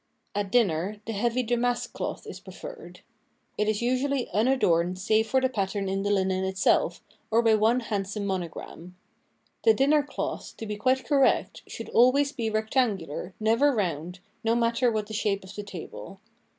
At dinner, the heavy damask cloth is pre ferred. It is usually un adorned save for the pat tern in the linen itself or by one handsome mono gram. The dinner cloth, to be quite correct, should always be rectangular, never round, no matter what the shape of the table.